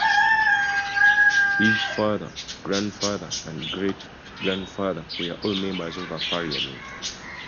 Her father, grandfather and great-grandfather were all Members of Parliament.